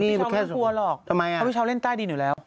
เราไม่กลัวหรอกเพราะพี่เช้าเล่นใต้ดินอยู่แล้ว